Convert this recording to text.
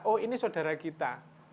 oh ini saudara kita